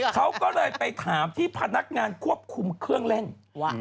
เขาก็เลยไปถามที่พนักงานควบคุมเครื่องเล่น